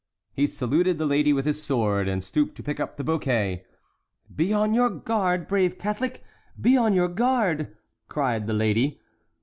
He saluted the lady with his sword, and stooped to pick up the bouquet. "Be on your guard, brave Catholic!—be on your guard!" cried the lady.